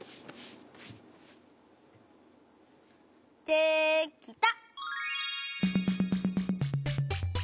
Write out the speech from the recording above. できた！